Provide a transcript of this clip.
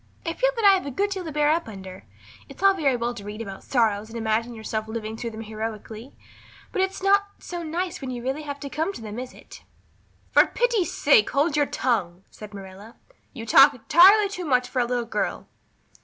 I feel that I have a good deal to bear up under. It's all very well to read about sorrows and imagine yourself living through them heroically, but it's not so nice when you really come to have them, is it?" "For pity's sake hold your tongue," said Marilla. "You talk entirely too much for a little girl."